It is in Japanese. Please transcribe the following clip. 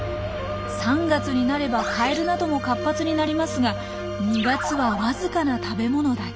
３月になればカエルなども活発になりますが２月はわずかな食べ物だけ。